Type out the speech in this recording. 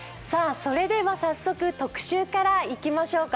それでは早速特集からいきましょうか。